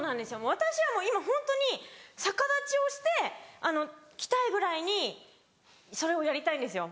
私は今ホントに逆立ちをして来たいぐらいにそれをやりたいんですよ。